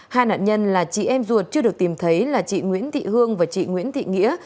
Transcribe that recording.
hai nạn nhân là chị em ruột chưa được tìm thấy là chị nguyễn thị hương và chị nguyễn thị nghĩa